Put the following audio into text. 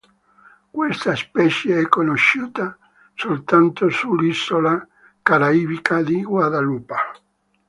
Questa specie è conosciuta soltanto sull'isola caraibica di Guadalupa.